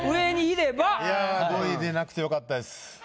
いや５位でなくてよかったです。